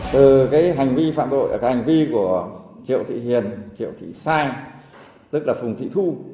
từ cái hành vi phạm đội hành vi của triệu thị hiền triệu thị sang tức là phùng thị thu